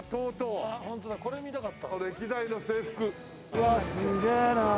うわすげえな。